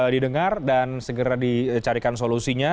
didengar dan segera dicarikan solusinya